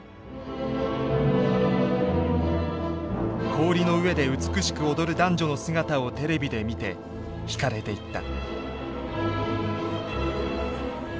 氷の上で美しく踊る男女の姿をテレビで見て引かれていった。